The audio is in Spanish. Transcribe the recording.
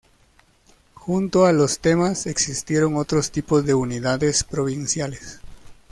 Junto a los themas, existieron otros tipos de unidades provinciales.